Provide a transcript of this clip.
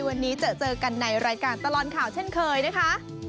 วันนี้เจอกันในรายการตลอดข่าวเช่นเคยนะคะ